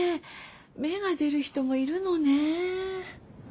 芽が出る人もいるのね。